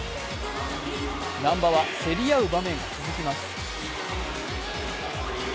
難波は競り合う場面が続きます。